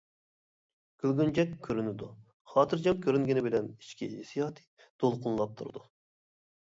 كۈلگۈنچەك كۆرۈنىدۇ، خاتىرجەم كۆرۈنگىنى بىلەن ئىچكى ھېسسىياتى دولقۇنلاپ تۇرىدۇ.